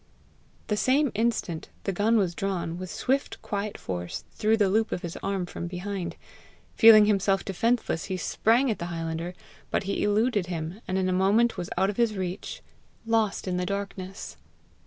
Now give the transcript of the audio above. The same instant the gun was drawn, with swift quiet force, through the loop of his arm from behind. Feeling himself defenceless, he sprang at the highlander, but he eluded him, and in a moment was out of his reach, lost in the darkness.